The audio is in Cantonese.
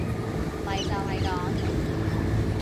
咪就係講